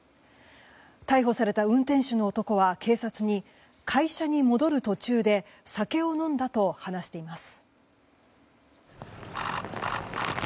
逮捕された運転手の男は、警察に会社に戻る途中で酒を飲んだと話しています。